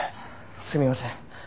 すみません。